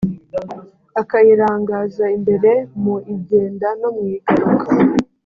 akayirangaza imbere mu igenda no mu igaruka.